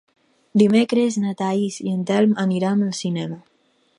Dimecres na Thaís i en Telm aniran al cinema.